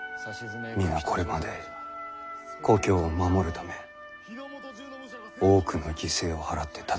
皆これまで故郷を守るため多くの犠牲を払って戦い続けてきた。